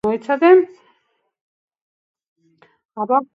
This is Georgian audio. ძველად სავაჭრო ქალაქი მარადი შედიოდა ჰაუსას ქალაქ-სახელმწიფოების შემადგენლობაში.